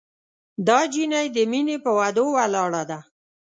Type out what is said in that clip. دا جینۍ د مینې پهٔ وعدو ولاړه ده